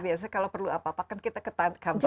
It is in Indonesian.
biasanya kalau perlu apa apa kan kita ke kampus